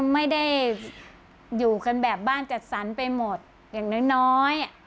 ไม่ได้อยู่กันแบบบ้านจัดสรรไปหมดอย่างน้อย